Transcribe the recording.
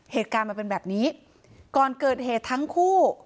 เหตุการณ์มันเป็นแบบนี้ก่อนเกิดเหตุทั้งคู่